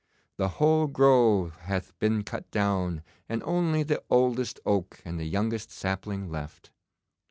The whole grove hath been cut down, and only the oldest oak and the youngest sapling left.